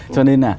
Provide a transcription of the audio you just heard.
cho nên là